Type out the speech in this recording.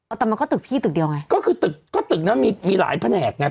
แต่มันก็ตึกพี่ตึกเดียวไงก็คือตึกก็ตึกนั้นมีมีหลายแผนกไง